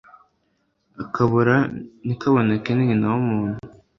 akabura ntikaboneke ni nyina w'umuntu